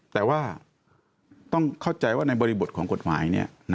แต่ว่าต้องเข้าใจว่าในบริบทของกฎหมาย